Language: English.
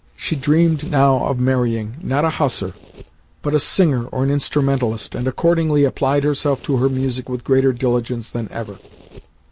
She dreamed now of marrying, not a hussar, but a singer or an instrumentalist, and accordingly applied herself to her music with greater diligence than ever.